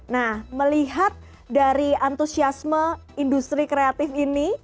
nah melihat dari antusiasme industri kreatif ini